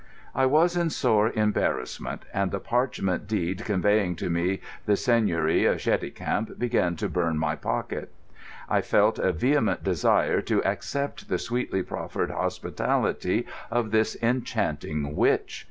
I was in sore embarrassment; and the parchment deed conveying to me the Seigneury of Cheticamp began to burn my pocket. I felt a vehement desire to accept the sweetly proffered hospitality of this enchanting witch.